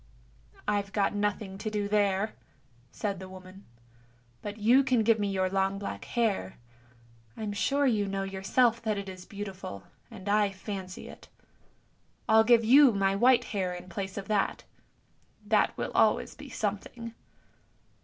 " I've got nothing to do there," said the woman; " but you can give me your long black hair; I'm sure you know yourself that it is beautiful, and I fancy it. I'll give you my white hair in place of it, that will always be something."